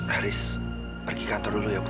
haris pergi kantor dulu ya bu